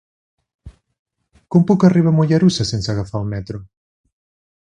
Com puc arribar a Mollerussa sense agafar el metro?